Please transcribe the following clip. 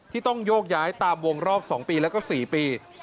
ต้องโยกย้ายตามวงรอบ๒ปีแล้วก็๔ปี